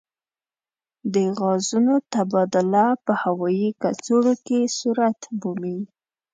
د غازونو تبادله په هوايي کڅوړو کې صورت مومي.